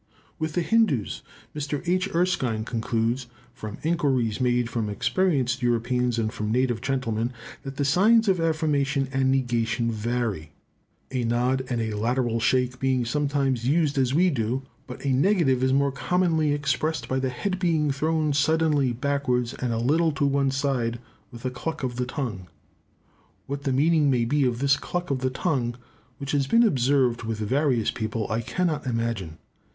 With the Hindoos Mr. H. Erskine concludes from inquiries made from experienced Europeans, and from native gentlemen, that the signs of affirmation and negation vary—a nod and a lateral shake being sometimes used as we do; but a negative is more commonly expressed by the head being thrown suddenly backwards and a little to one side, with a cluck of the tongue. What the meaning may be of this cluck of the tongue, which has been observed with various people, I cannot imagine.